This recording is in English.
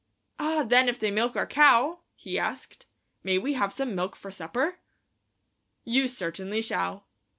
"Ah, then if they milk our cow," he asked, "may we have some milk for supper?" "You certainly shall!"